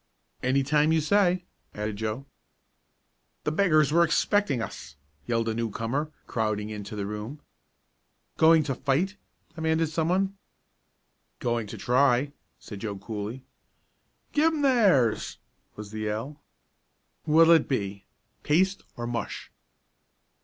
"Any time you say," added Joe. "The beggars were expecting us!" yelled a newcomer, crowding into the room. "Going to fight?" demanded someone. "Going to try," said Joe coolly. "Give 'em theirs!" was the yell. "What'll it be paste or mush?"